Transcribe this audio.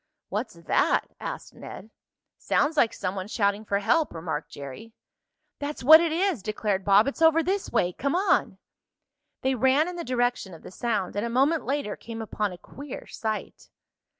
"What's that?" asked Ned. "Sounds like some one shouting for help," remarked Jerry. "That's what it is!" declared Bob. "It's over this way. Come on!" They ran in the direction of the sound, and a moment later came upon a queer sight.